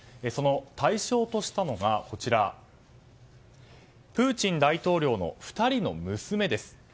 その対象としたのがプーチン大統領の２人の娘です。